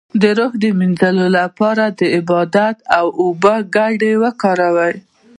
د روح د مینځلو لپاره د عبادت او اوبو ګډول وکاروئ